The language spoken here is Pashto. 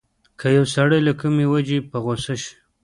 که يو سړی له کومې وجې په غوسه شي.